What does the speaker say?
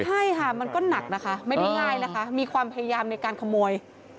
ใช่ค่ะมันก็หนักนะคะไม่ได้ง่ายนะคะมีความพยายามในการขโมย